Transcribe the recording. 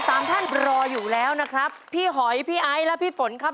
ทางน้องผู้โครวรอยู่แล้วพี่หอยพี่ไอ้และพี่ฝลครับ